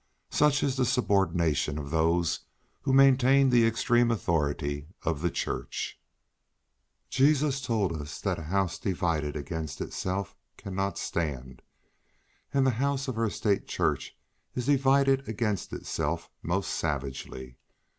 Such is the subordination of those who maintain the extreme authority of the Church! Jesus has told us that a house divided against itself cannot stand, and the house of our State Church is divided against itself most savagely.